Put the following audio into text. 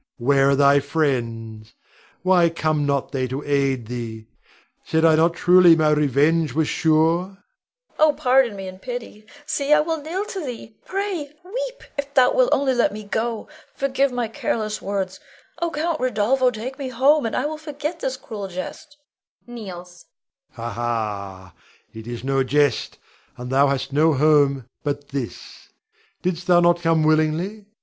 Where are thy friends? Why come they not to aid thee? Said I not truly my revenge was sure? Leonore. Oh, pardon me, and pity! See, I will kneel to thee, pray, weep, if thou wilt only let me go. Forgive my careless words! Oh, Count Rodolpho, take me home, and I will forget this cruel jest [kneels]. Rod. Ha, ha! It is no jest, and thou hast no home but this. Didst thou not come willingly?